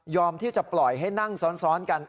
ที่จะปล่อยให้นั่งซ้อนกัน